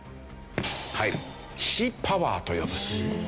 はいシーパワーと呼ぶんです。